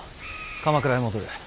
鎌倉へ戻る。